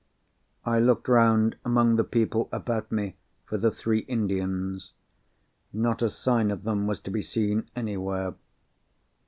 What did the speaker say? I looked round among the people about me for the three Indians. Not a sign of them was to be seen anywhere.